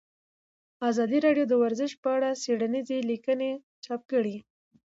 ازادي راډیو د ورزش په اړه څېړنیزې لیکنې چاپ کړي.